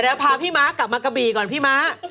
แล้วพาพี่ม้ากลับมากะบี่ก่อนพี่ม้า